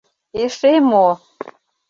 — Эше мо!